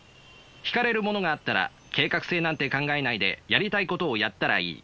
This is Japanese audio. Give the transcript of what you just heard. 引かれるものがあったら計画性なんて考えないでやりたいことをやったらいい。